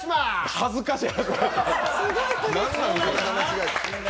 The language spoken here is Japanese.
恥ずかしい。